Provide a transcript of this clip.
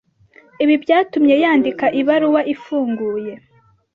Ibi byatumye yandika ibaruwa ifunguye